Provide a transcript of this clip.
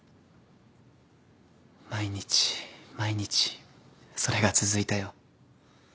毎日毎日それが続いたよ。